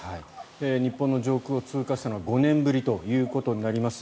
日本の上空を通過したのは５年ぶりということになります。